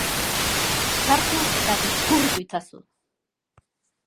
Sartu eta deskubritu itzazu!